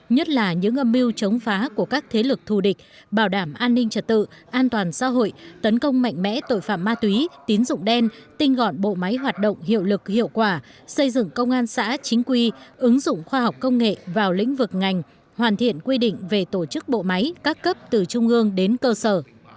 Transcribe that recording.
nhất là những âm mưu chống phá của các thế lực thù địch bảo đảm an ninh trật tự an toàn xã hội tấn công mạnh mẽ tội phạm ma túy tín dụng đen tinh gọn bộ máy hoạt động hiệu lực hiệu quả xây dựng công an xã chính quy ứng dụng khoa học công nghệ vào lĩnh vực ngành hoàn thiện quy định về tổ chức bộ máy các cấp từ trung ương đến cơ sở